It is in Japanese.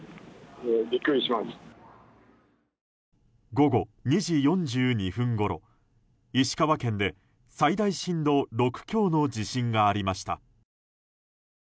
午後２時４２分ごろ石川県で最大震度６強の地震がありました。